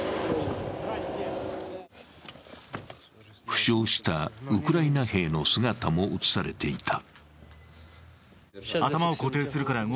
負傷したウクライナ兵の姿も映されていた。